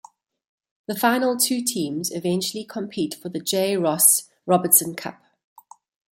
The final two teams eventually compete for the J. Ross Robertson Cup.